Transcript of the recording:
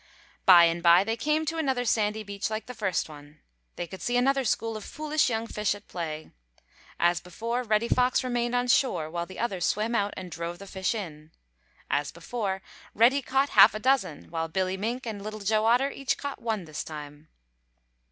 By and by they came to another sandy beach like the first one. They could see another school of foolish young fish at play. As before, Reddy Fox remained on shore while the others swam out and drove the fish in. As before Reddy caught half a dozen, while Billy Mink and Little Joe Otter each caught one this time.